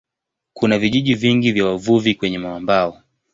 Kuna vijiji vingi vya wavuvi kwenye mwambao.